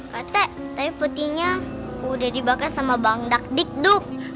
pak rete tapi petinya udah dibakar sama bangdak dikduk